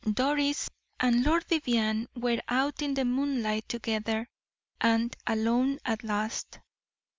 Doris and Lord Vivianne were out in the moonlight together, and alone at last.